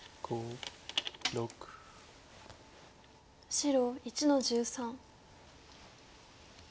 白１の十三。